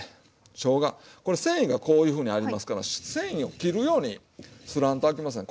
しょうがこれ繊維がこういうふうにありますから繊維を切るようにすらんとあきません。